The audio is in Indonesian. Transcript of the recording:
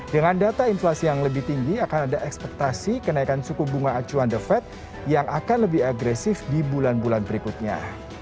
dengan data inflasi yang lebih tinggi akan ada ekspektasi kenaikan suku bunga acuan the fed yang akan lebih agresif di bulan bulan berikutnya